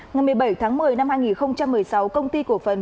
ngày một mươi bảy tháng một mươi năm hai nghìn một mươi sáu công ty cổ phần